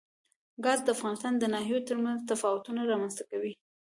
ګاز د افغانستان د ناحیو ترمنځ تفاوتونه رامنځ ته کوي.